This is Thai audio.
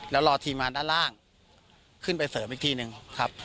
แล้วรอทีมงานด้านล่างขึ้นไปเสริมอีกทีหนึ่งครับ